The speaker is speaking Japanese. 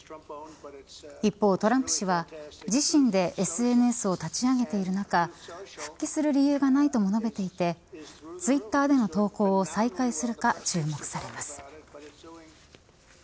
一方、トランプ氏は自身でＳＮＳを立ち上げている中復帰する理由がないとも述べていてツイッターでの投稿を再開するか注目されます。